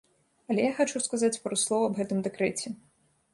Але я хачу сказаць пару слоў аб гэтым дэкрэце.